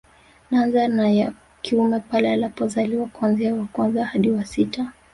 Naanza na ya kiume pale anapozaliwa kuanzia wa kwanza hadi wa wa sita